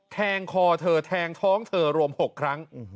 แทงคอเธอแทงท้องเธอรวม๖ครั้ง